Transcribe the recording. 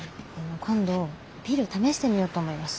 今度ピル試してみようと思います。